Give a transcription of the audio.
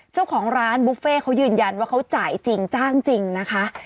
เจ้าของร้านบุฟเฟ่เขายืนยันว่าเขาจ่ายจริงจ้างจริงนะคะ